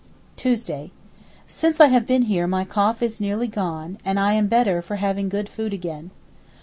Tuesday.—Since I have been here my cough is nearly gone, and I am better for having good food again.